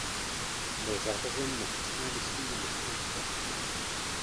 Byl zařazen na čestné listině mistrů sportu.